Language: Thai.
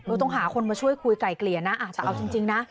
เราต้องหาคนมาช่วยคุยไกลเกลียนะอ่าแต่เอาจริงจริงนะ